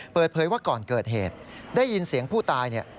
เปิดเผยว่าก่อนเกิดเหตุได้ยินเสียงผู้ตายเนี่ย